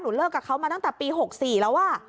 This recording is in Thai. เลิกกับเขามาตั้งแต่ปี๖๔แล้ว